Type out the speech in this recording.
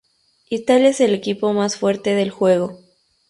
Italia es el equipo más fuerte del juego.